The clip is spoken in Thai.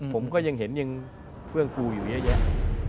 ผมก็ยังเห็นยังเฟื่องฟูอยู่เยอะแยะ